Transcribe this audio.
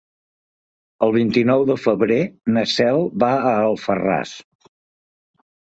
El vint-i-nou de febrer na Cel va a Alfarràs.